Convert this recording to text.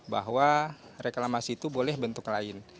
bahwa reklamasi itu boleh bentuk lain